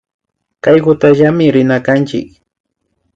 Kaykutallami rina kanchik